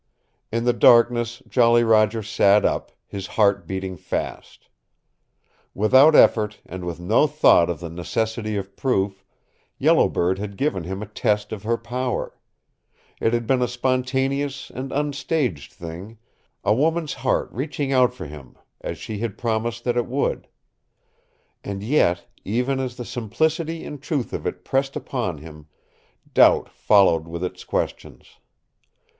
In the darkness Jolly Roger sat up, his heart beating fast. Without effort, and with no thought of the necessity of proof, Yellow Bird had given him a test of her power. It had been a spontaneous and unstaged thing, a woman's heart reaching out for him as she had promised that it would. And yet, even as the simplicity and truth of it pressed upon him, doubt followed with its questions.